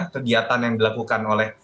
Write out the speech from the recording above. kegiatan yang dilakukan oleh